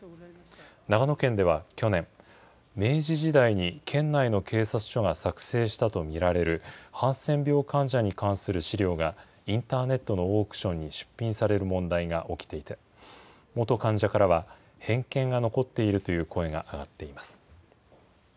長野県では去年、明治時代に県内の警察署が作成したと見られるハンセン病患者に関する資料がインターネットのオークションに出品される問題が起きていて、元患者からは、偏見が残っているという声が上がっています。